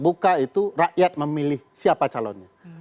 buka itu rakyat memilih siapa calonnya